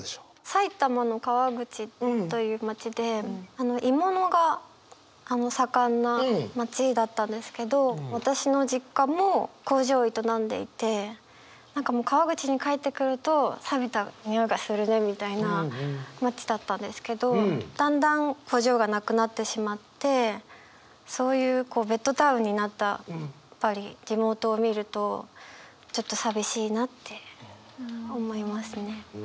埼玉の川口という町で鋳物が盛んな町だったんですけど私の実家も工場を営んでいて何かもう川口に帰ってくると町だったんですけどだんだん工場がなくなってしまってそういうベッドタウンになったやっぱり地元を見るとちょっと寂しいなって思いますね。